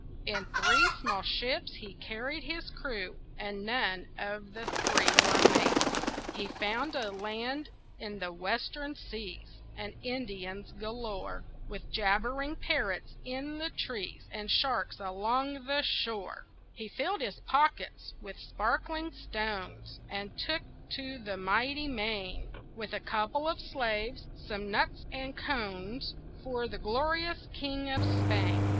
In three small ships he carried his crew, And none of the three were mates. He found a land in the western seas, And Indians galore, With jabbering parrots in the trees, And sharks along the shore. He filled his pockets with sparkling stones And took to the mighty main, With a couple of slaves, some nuts and cones For the glorious king of Spain.